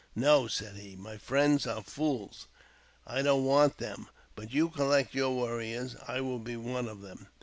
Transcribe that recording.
" No," said he, " my friends are fools. I don't want them. But you collect your warriors, and I will be one of them."